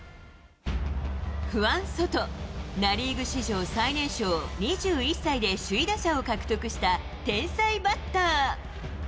フアン・ソト、ナ・リーグ史上最年少２１歳で首位打者を獲得した天才バッター。